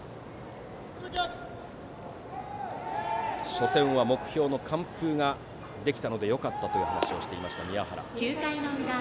初戦は目標の完封ができたのでよかったと話していました宮原です。